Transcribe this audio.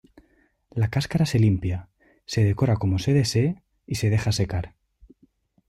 La cáscara se limpia, se decora como se desee y se deja secar.